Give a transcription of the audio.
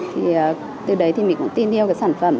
thì từ đấy thì mình cũng tin yêu cái sản phẩm